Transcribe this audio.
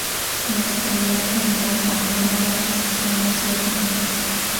Los que me hacen amar a la vida mas son más útiles.